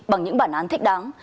bằng những bản án thích đáng